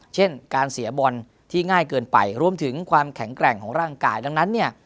เช่นการเสียบอลที่ง่ายเกินไปรวมถึงความแข็งแกร่งของร่างกายดังนั้นเนี่ย